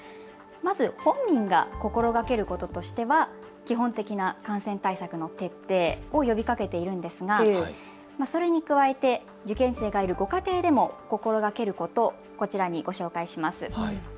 まず本人が心がけることとしては基本的な感染対策の徹底を呼びかけているんですがそれに加えて受験生がいるご家庭でも心がけることをこちらにご紹介します。